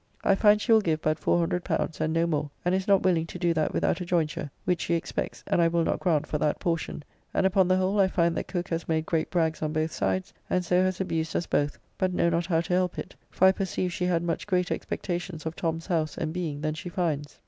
I find she will give but L400, and no more, and is not willing to do that without a joynture, which she expects and I will not grant for that portion, and upon the whole I find that Cooke has made great brags on both sides, and so has abused us both, but know not how to help it, for I perceive she had much greater expectations of Tom's house and being than she finds.